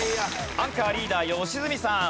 アンカーリーダー良純さん。